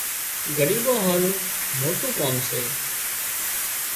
ڳريٻان هارو موٽُون ڪام سي